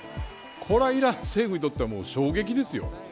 これはイラン政府にとっては衝撃ですよ。